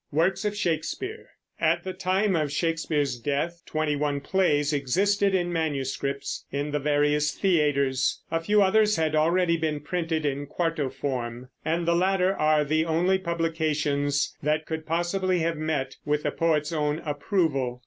WORKS OF SHAKESPEARE. At the time of Shakespeare's death twenty one plays existed in manuscripts in the various theaters. A few others had already been printed in quarto form, and the latter are the only publications that could possibly have met with the poet's own approval.